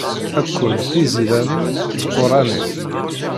Ḥekkun tizidanin d tquranin.